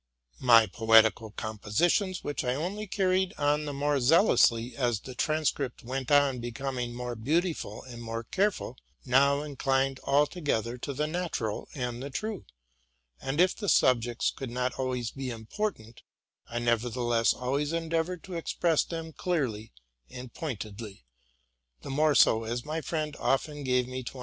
My poetical compositions, which I only carried on the more zealously as the transcript went on becoming more beau tiful and more careful, now inclined altogether to the natural and the true: and if the subjects could not always be impor tant, I nevertheless always endeavored to express them clearly and pointedly, the more so as my friend often gave me to un RELATING TO MY LIFE.